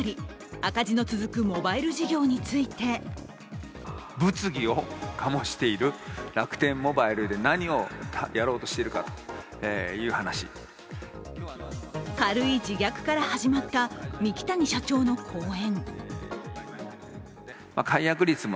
赤字の続くモバイル事業について軽い自虐から始まった三木谷社長の講演。